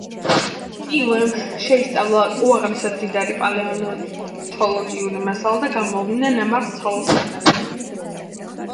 კიუვიემ შეისწავლა უაღრესად მდიდარი პალეონტოლოგიური მასალა და გამოავლინა ნამარხ ცხოველთა სტრატიგრაფიული მნიშვნელობა.